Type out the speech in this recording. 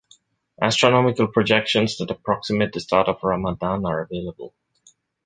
Astronomical projections that approximate the start of Ramadan are available.